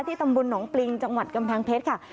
ตำบลหนองปริงจังหวัดกำแพงเพชรค่ะ